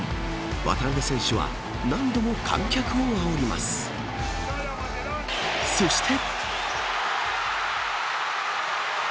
渡邊選手は何度も観客を煽りますそして。